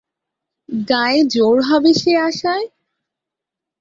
গায়ে জোর হবে সে আশায়।